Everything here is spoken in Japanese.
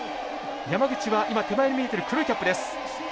山口は今手前に見えている黒いキャップです。